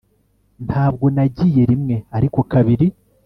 Ntabwo nagiye rimwe ariko kabiri